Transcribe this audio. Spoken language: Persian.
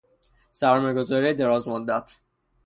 سرمایه گذاری دراز مدت